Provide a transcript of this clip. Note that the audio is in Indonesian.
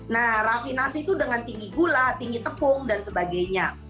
nah rafinasi itu dengan tinggi gula tinggi tepung dan sebagainya